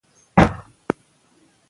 د واک موخه د عامه ګټې تحقق دی.